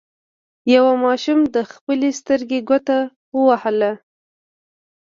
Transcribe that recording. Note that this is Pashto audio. یوه ماشوم د خپلې سترګې ګوته ووهله.